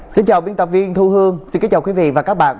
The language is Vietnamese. xin chào biên tập viên thu hương xin kính chào quý vị và các bạn